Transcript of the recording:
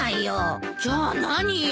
じゃあ何よ？